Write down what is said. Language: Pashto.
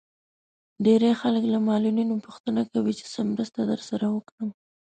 ډېری خلک له معلولينو پوښتنه کوي چې څه مرسته درسره وکړم.